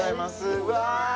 うわ！